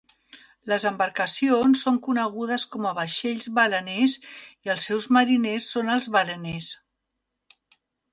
Les embarcacions són conegudes com a vaixells baleners i els seus mariners són els baleners.